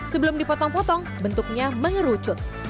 sebelum dipotong potong bentuknya mengerucut